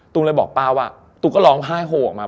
เลยบอกป้าว่าตุ๊ก็ร้องไห้โฮออกมา